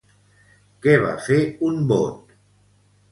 Què va fer un bot?